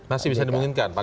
masih bisa dimungkinkan